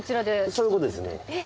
そういうことですね。